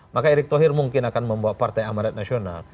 maka erick thohir mungkin akan membawa partai amarat nasional